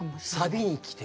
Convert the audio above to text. サビに来て。